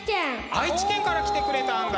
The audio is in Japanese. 愛知県から来てくれたんだ。